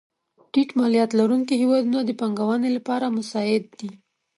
ټیټ مالیات لرونکې هېوادونه د پانګونې لپاره مساعد دي.